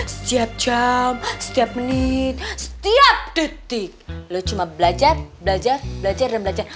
setiap jam setiap menit setiap detik lo cuma belajar belajar belajar dan belajar